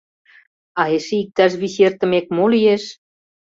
А эше иктаж вич ий эртымек мо лиеш?..